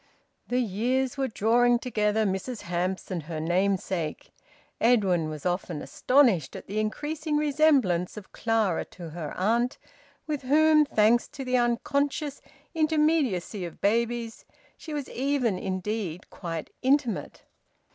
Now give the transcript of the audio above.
The years were drawing together Mrs Hamps and her namesake. Edwin was often astonished at the increasing resemblance of Clara to her aunt, with whom, thanks to the unconscious intermediacy of babies, she was even indeed quite intimate.